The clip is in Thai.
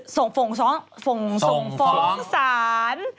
ส่งฟ้องศาล